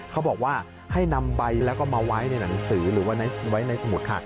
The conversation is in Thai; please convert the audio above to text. เขาบอกว่าให้นำใบแล้วก็มาไว้ในหนังสือหรือว่าไว้ในสมุดค่ะ